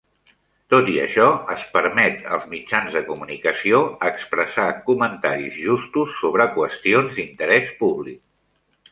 Tot i això, es permet als mitjans de comunicació expressar "comentaris justos sobre qüestions d'interès públic".